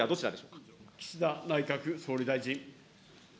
岸田内閣総理大臣。